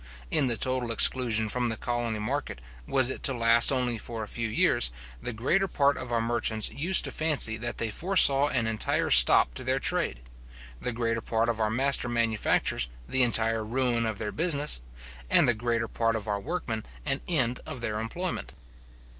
In the total exclusion from the colony market, was it to last only for a few years, the greater part of our merchants used to fancy that they foresaw an entire stop to their trade; the greater part of our master manufacturers, the entire ruin of their business; and the greater part of our workmen, an end of their employment.